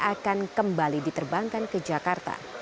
akan kembali diterbangkan ke jakarta